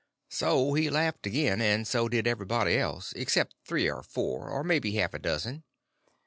_" So he laughed again; and so did everybody else, except three or four, or maybe half a dozen.